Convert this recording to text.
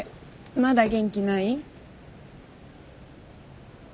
まだ元気ない？